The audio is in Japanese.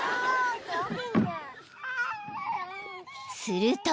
［すると］